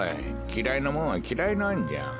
きらいなもんはきらいなんじゃ。